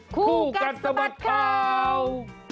คู่กัดสะบัดข่าว